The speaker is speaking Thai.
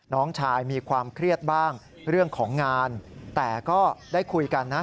น้องชายมีความเครียดบ้างเรื่องของงานแต่ก็ได้คุยกันนะ